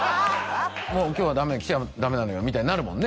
今日はダメ来ちゃダメなのよみたいになるもんね